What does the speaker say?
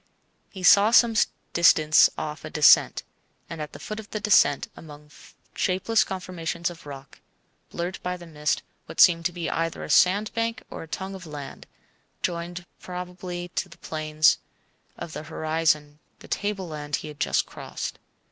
He saw some distance off a descent, and at the foot of the descent, among shapeless conformations of rock, blurred by the mist, what seemed to be either a sandbank or a tongue of land, joining probably to the plains of the horizon the tableland he had just crossed.